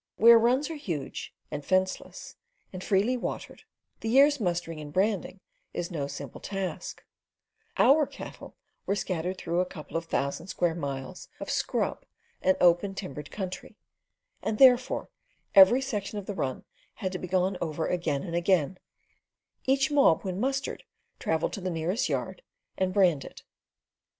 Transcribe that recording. Where runs are huge, and fenceless, and freely watered the year's mustering and branding is no simple task Our cattle were scattered through a couple of thousand square miles of scrub and open timbered country, and therefore each section of the run had to be gone over again and again; each mob, when mustered, travelled to the nearest yard and branded.